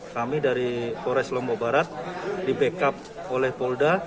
kami dari polres lombok barat di backup oleh polda